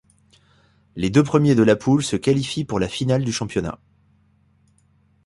Les deux premiers de la poule se qualifient pour la finale du championnat.